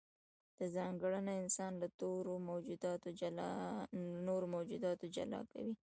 دا ځانګړنه انسان له نورو موجوداتو جلا کوي.